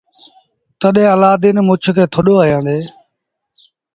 تڏهيݩ الآدين مڇ کي ٿڏو هڻيآندي۔